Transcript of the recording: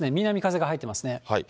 南風が入ってますね。